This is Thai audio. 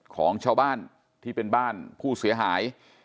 ของชาวบ้านที่เป็นบ้านผู้เสียหาย